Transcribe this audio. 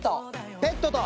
ペットと。